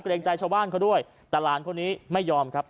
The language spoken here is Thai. เกรงใจชาวบ้านเขาด้วยแต่หลานคนนี้ไม่ยอมครับ